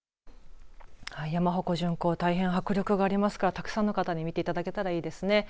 山ほこ巡行大変迫力がありますからたくさんの方に見ていただけたらいいですね。